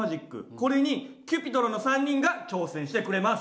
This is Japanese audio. これにＣｕｐｉｔｒｏｎの３人が挑戦してくれます。